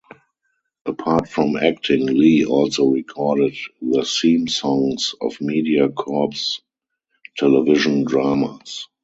Apart from acting, Lee also recorded the theme songs of MediaCorp's television dramas.